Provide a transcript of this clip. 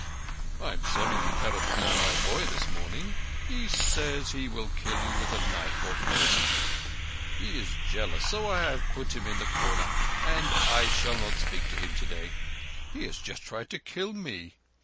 "I am sorry you cannot beat my boy this morning. He says he will kill you with a knife or poison. He is jealous, so I have put him in the corner and I shall not speak to him today. He has just tried to kill me.